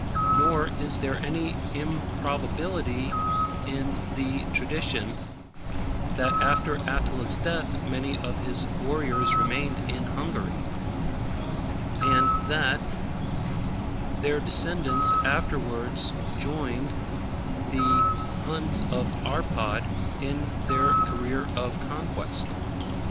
Nor is there any improbability in the tradition, that after Attila's death many of his warriors remained in Hungary, and that their descendants afterwards joined the Huns of Arpad in their career of conquest.